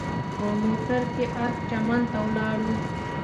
په موټر کې ارګ چمن ته ولاړو.